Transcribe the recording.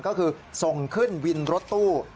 ก็คือส่งขึ้นวินรถตู้